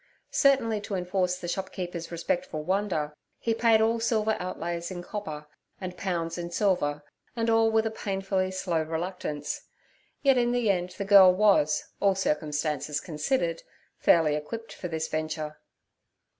Certainly to enforce the shopkeeper's respectful wonder he paid all silver outlays in copper, and pounds in silver, and all with a painfully slow reluctance; yet in the end the girl was, all circumstances considered, fairly equipped for this venture.